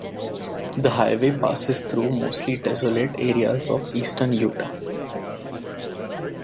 The highway passes through mostly desolate areas of eastern Utah.